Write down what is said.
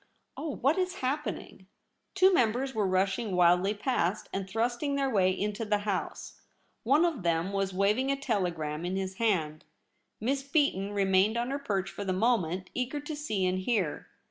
Oh! what is happening ?' Two members were rushing wildly past, and thrusting their way into the House. One of them was waving a telegram in his hand. Miss Beaton remained on her perch for the moment, eager to see and hear.